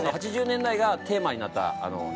８０年代がテーマになった映画なんで。